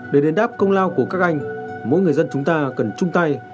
để đền đáp công lao của các anh mỗi người dân chúng ta cần chung tay